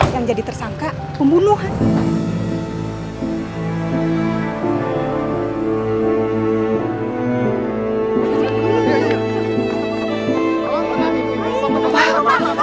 yang jadi tersangka pembunuhan